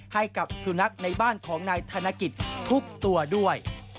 ให้กับสุนัขในบ้านของนายธนกิจทุกตัวด้วย